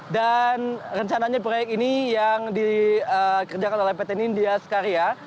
dan rencananya proyek ini yang dikerjakan oleh pt nindya sekaria